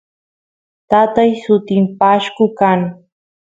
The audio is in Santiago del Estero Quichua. tatay sutin pashku kan